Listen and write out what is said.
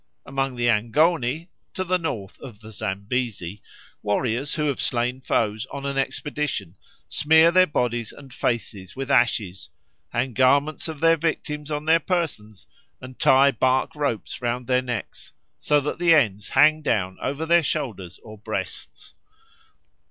Among the Angoni, to the north of the Zambesi, warriors who have slain foes on an expedition smear their bodies and faces with ashes, hang garments of their victims on their persons, and tie bark ropes round their necks, so that the ends hang down over their shoulders or breasts.